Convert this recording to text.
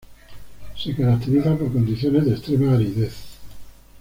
Se caracteriza por condiciones de extrema aridez.